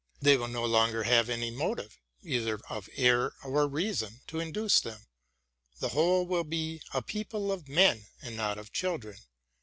They will no longer have any motive, either of error or reason, to induce them. The whole win be a people of men, and not of children.